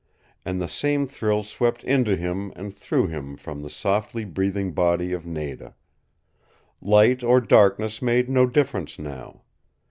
And the same thrill swept into him and through him from the softly breathing body of Nada. Light or darkness made no difference now.